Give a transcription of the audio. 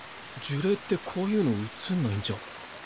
呪霊ってこういうの写んないんじゃ。